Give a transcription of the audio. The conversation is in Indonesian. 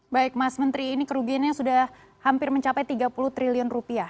baik mas menteri ini kerugiannya sudah hampir mencapai tiga puluh triliun rupiah